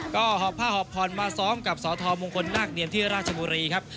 ก็หอบผ้าหอบผ่อนมาซ้อมกับสธมงคลนาคเนียมที่ราชบุรีครับ